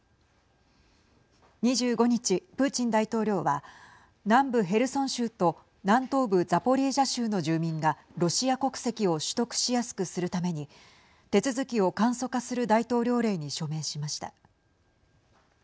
２５日、プーチン大統領は南部ヘルソン州と南東部ザポリージャ州の住民がロシア国籍を取得しやすくするために手続きを簡素化する大統領令に署名しました。